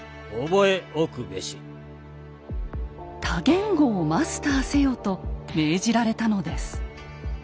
多言語をマスターせよと命じられたのです。